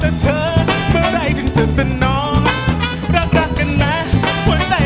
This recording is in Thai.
ถ้าได้ลองลองลองก็คงรู้รู้รู้ไป